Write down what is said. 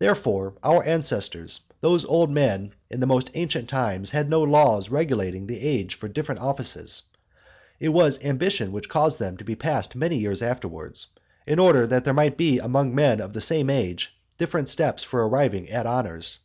Therefore our ancestors, those old men, in the most ancient times, had no laws regulating the age for the different offices, it was ambition which caused them to be passed many years afterwards, in order that there might be among men of the same age different steps for arriving at honours.